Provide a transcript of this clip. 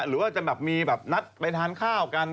หรือว่าจะแบบมีแบบนัดไปทานข้าวกัน